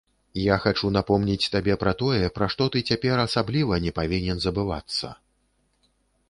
Я хачу напомніць табе пра тое, пра што ты цяпер асабліва не павінен забывацца.